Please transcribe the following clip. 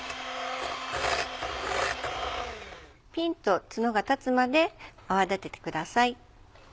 ピンとツノが立つまで泡立ててください。